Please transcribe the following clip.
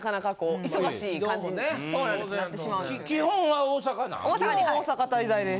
基本は大阪滞在です。